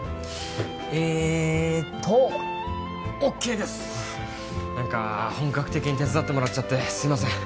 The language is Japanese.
えとＯＫですなんか本格的に手伝ってもらっちゃってすいません